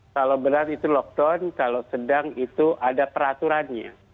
kalau berat itu lockdown kalau sedang itu ada peraturannya